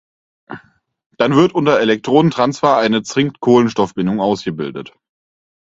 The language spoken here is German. Dann wird unter Elektronentransfer eine Zink-Kohlenstoff-Bindung ausgebildet.